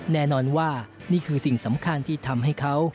แน่นอนว่านี่คือสิ่งสำคัญที่ทำให้เขา